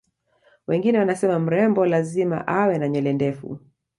wengine wanasema mrembo lazima awe na nywele ndefu